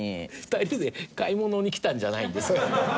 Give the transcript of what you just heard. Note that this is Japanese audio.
２人で買い物に来たんじゃないんですから。